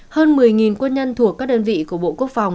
hơn một mươi quân nhân thuộc các đơn vị của bộ quốc phòng